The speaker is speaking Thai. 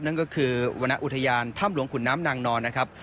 นั่นก็คือวรรณอุทยานถ้ำหลวงขุนน้ำนางนอนนะครับ